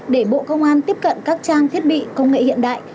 để bộ công an tiếp cận các trang thiết bị công nghệ hiện đại